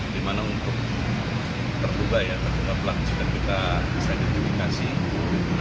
di mana untuk terluka ya terluka pelanggangan kita bisa dijuangkan sih